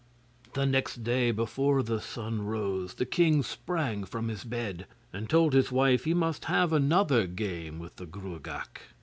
The next day, before the sun rose, the king sprang from his bed, and told his wife he must have another game with the Gruagach.